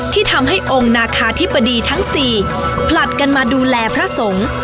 ที่ทำให้องค์นาคาธิบดีทั้ง๔ผลัดกันมาดูแลพระสงฆ์